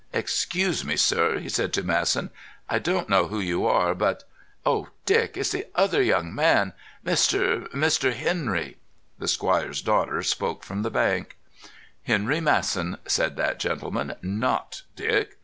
"Excuse me, sir," he said to Masson: "I don't know who you are, but——" "Oh, Dick, it's the other young man—Mr.—Mr. Henry." The squire's daughter spoke from the bank. "Henry Masson," said that gentleman; "not Dick!